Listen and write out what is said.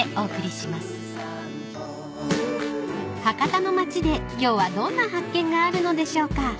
［博多の町で今日はどんな発見があるのでしょうか］